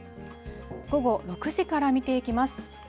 午後６時から見ていきます。